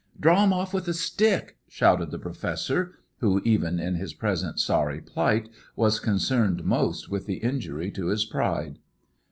"Draw him off with a stick!" shouted the Professor; who, even in his present sorry plight, was concerned most with the injury to his pride.